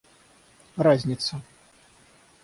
разница